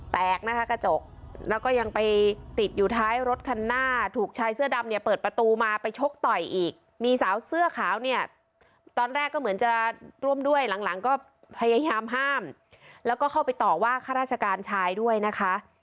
แตกนะคะกระจกแล้วก็ยังไปติดอยู่ท้ายรถคันหน้าถูกชายเสื้อดำเนี่ยเปิดประตูมาไปชกต่อยอีกมีสาวเสื้อขาวเนี่ยตอนแรกก็เหมือนจะร่วมด้วยหลังหลังก็พยายามห้ามแล้วก็เข้าไปต่อว่าข้าราชการชายด้วยนะคะ